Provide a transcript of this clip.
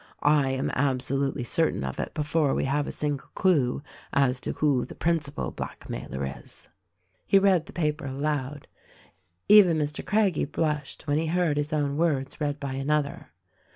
I am absolutely certain of it before we have a single clue as to who the principal blackmailer is." He read the paper aloud. Even Mr. Craggie blushed when he heard his own words read by another.